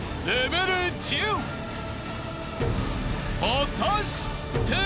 ［果たして！？］